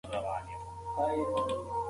د ستونزو پر وخت پلار سوله ساتي.